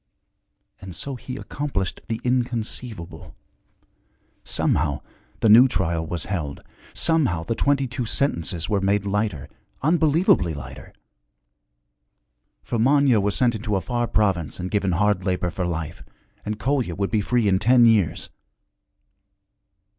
And so he accomplished the inconceivable. Somehow the new trial was held, somehow the twenty two sentences were made lighter, unbelievably lighter. For Manya was sent into a far province and given hard labor for life, and Kolya would be free in ten years.